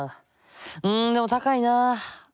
んでも高いな。